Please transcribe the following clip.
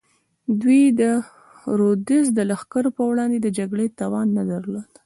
دوی د رودز د لښکرو پر وړاندې جګړې توان نه درلود.